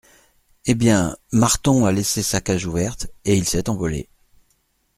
Eh bien, Marton a laissé sa cage ouverte et il s’est envolé !